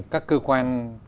các cơ quan